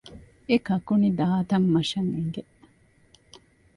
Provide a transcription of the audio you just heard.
އެ ކަކުނި ދާ ތަން މަށަށް އެނގެ